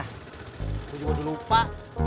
itu juga dilupa